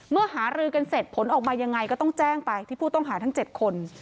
หารือกันเสร็จผลออกมายังไงก็ต้องแจ้งไปที่ผู้ต้องหาทั้ง๗คน